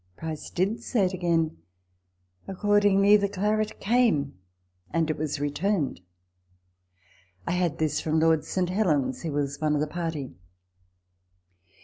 Price did say it again. Accordingly the claret came, and it was returned. I had this from Lord St. Helens, who was one of the party.